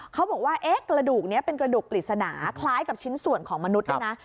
เขาบอกว่ากระดูกนี้เป็นกระดูกปริศนาคล้ายกับชิ้นส่วนของมนุษย์ด้วยนะ